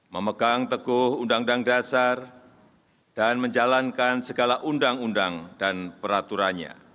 memegang teguh undang undang dasar dan menjalankan segala undang undang dan peraturannya